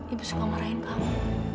ibu suka marahin kamu